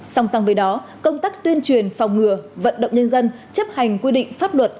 song song với đó công tác tuyên truyền phòng ngừa vận động nhân dân chấp hành quy định pháp luật